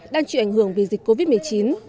đang chịu ảnh hưởng vì dịch covid một mươi chín